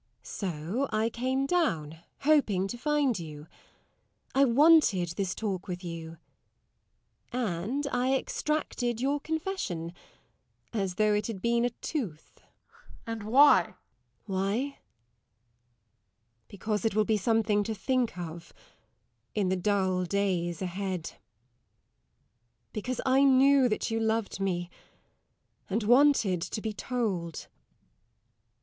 So I came down, hoping to find you. I wanted this talk with you. And I extracted your confession as though it had been a tooth. SIR GEOFFREY. And why? LADY TORMINSTER. Why? Because it will be something to think of, in the dull days ahead. Because I knew that you loved me, and wanted to be told.